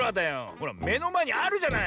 ほらめのまえにあるじゃない？